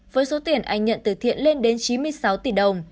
với số tiền anh nhận từ thiện lên đến chín mươi sáu tỷ đồng